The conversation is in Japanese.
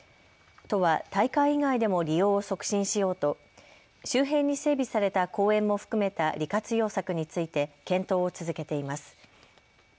都は大会以外でも利用を促進しようと周辺に整備された公園も含めた利活用策について検討を続けています。